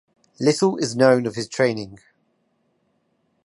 Little is known of his training.